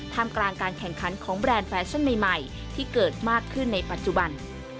ทำกลางการแข่งขันของแบรนด์แฟชั่นใหม่ที่เกิดมากขึ้นในปัจจุบัน